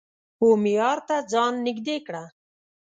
و معیار ته ځان نژدې کړه